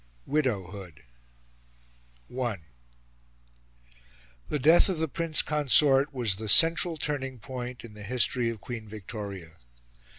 WIDOWHOOD I The death of the Prince Consort was the central turning point in the history of Queen Victoria.